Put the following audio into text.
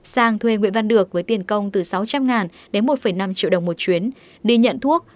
sang thuê nguyễn văn được với tiền công từ sáu trăm linh đến một năm triệu đồng một chuyến đi nhận thuốc